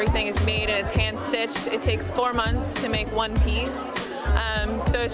semuanya telah dibuat telah dipindahkan tangan membutuhkan empat bulan untuk membuat satu barang